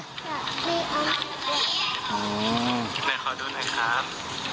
ไหนขอดูหน่อยครับ